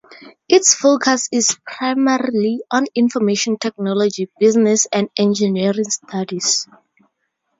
Its focus is primarily on Information Technology, Business and Engineering studies.